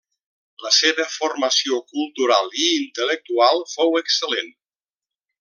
La seva formació cultural i intel·lectual fou excel·lent.